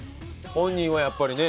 本人はやっぱりね。